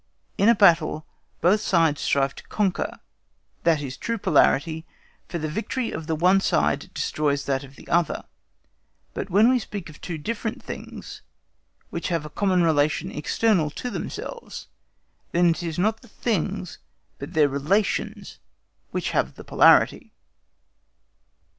In a battle both sides strive to conquer; that is true polarity, for the victory of the one side destroys that of the other. But when we speak of two different things which have a common relation external to themselves, then it is not the things but their relations which have the polarity.